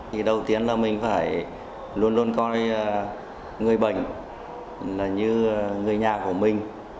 thì đầu tiên là mình phải luôn luôn coi người bệnh như người nhà của mình